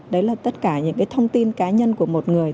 đấy là tất cả những cái thông tin cá nhân của một người